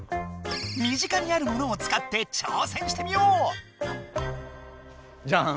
身近にあるモノを使って挑戦してみよう！じゃん。